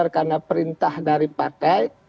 mereka sudah menggunakan perintah dari partai